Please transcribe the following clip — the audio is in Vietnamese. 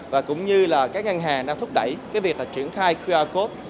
và cũng như là các ngân hàng đang thúc đẩy cái việc là triển khai qr code